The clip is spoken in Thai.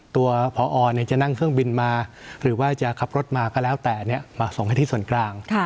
ตัวพอจะนั่งเครื่องบินมาหรือว่าจะขับรถมาก็แล้วแต่มาส่งให้ที่ส่วนกลาง